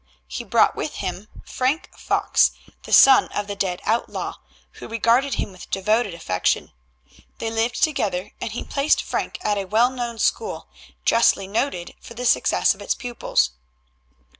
He brought with him Frank Fox, the son of the dead outlaw, who regarded him with devoted affection. They lived together, and he placed Frank at a well known school, justly noted for the success of its pupils.